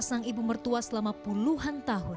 sang ibu mertua selama puluhan tahun